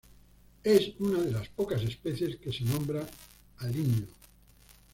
Es una de las pocas especies que se nombra a Linneo.